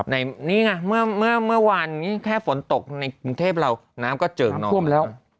ในนี้ไงเมื่อวันนี้แค่ฝนตกในกรุงเทพเราน้ำก็เจอกนอน